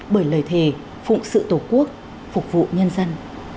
bởi lời thề phụng sự tổ quốc phục vụ nhân dân